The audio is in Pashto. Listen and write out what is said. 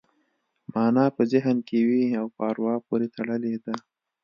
مانا په ذهن کې وي او په اروا پورې تړلې ده